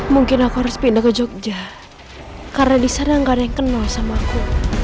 mungkin aku harus pindah ke jogja karena disana nggak ada yang kenal sama aku